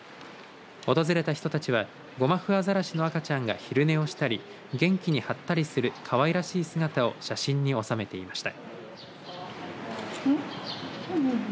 訪れた人たちはゴマフアザラシの赤ちゃんが昼寝をしたり元気にはったりするかわいらしい姿を写真に収めていました。